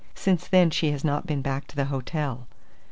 Since then she has not been back to the hotel."